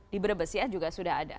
di brebes ya juga sudah ada